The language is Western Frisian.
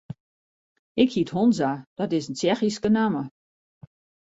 Ik hyt Honza, dat is in Tsjechyske namme.